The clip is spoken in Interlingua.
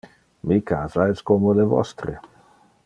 Mi casa es como le vostre.